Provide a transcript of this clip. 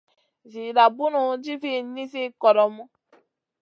Zida bunu djivia nizi kodomu.